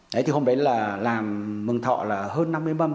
đấy thì hôm đấy là làm mừng thọ là hơn năm mươi mâm